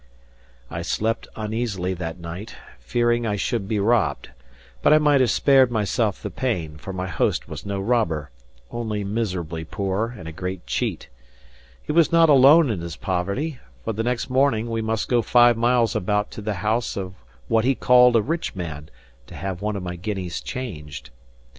I slept uneasily that night, fearing I should be robbed; but I might have spared myself the pain; for my host was no robber, only miserably poor and a great cheat. He was not alone in his poverty; for the next morning, we must go five miles about to the house of what he called a rich man to have one of my guineas changed.